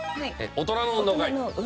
大人の運動会。